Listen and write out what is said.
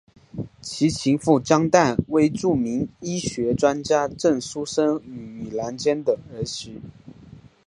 其情妇张琰为著名医学专家郑树森与李兰娟的儿媳。